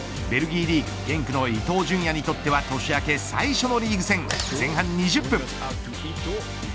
ベルギーリーグ、ゲンクの伊東純也にとっては年明け最初のリーグ戦前半２０分。